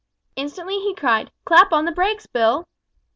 Instantly he cried, "Clap on the brakes, Bill!"